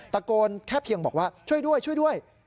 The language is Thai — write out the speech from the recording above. ตะโกนแค่เพียงบอกว่าช่วยด้วยช่วยด้วย